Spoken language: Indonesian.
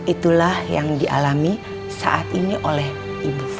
itulah yang dialami saat ini oleh ibu